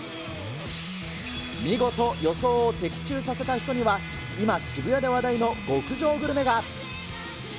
見事、予想を的中させた人には、今、渋谷で話題の極上グルメが。